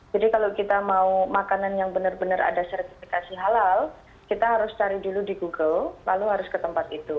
jadi kalau kita mau makanan yang benar benar ada sertifikasi halal kita harus cari dulu di google lalu harus ke tempat itu